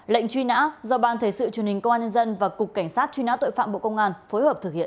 lệnh truy nã do ban thể sự truyền hình công an nhân dân và cục cảnh sát truy nã tội phạm bộ công an phối hợp thực hiện